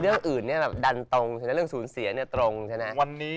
เรื่องอื่นดันตรงเรื่องศูนย์เสียตรงใช่ไหม